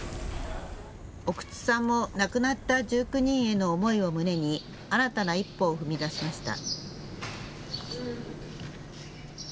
奥津さんも亡くなった１９人への思いを胸に新たな一歩を踏み出しました。